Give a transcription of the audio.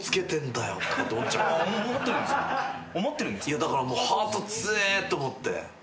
いやだからハート強えって思って。